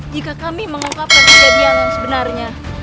jika kami mengungkapkan kejadian yang sebenarnya